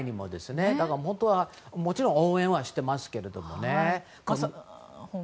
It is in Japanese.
だから本当はもちろん応援はしてますけどね。